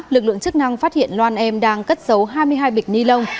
lực lượng chức năng phát hiện loan em đang cất giấu hai mươi hai bịch ni lông